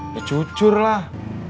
ya jujur lah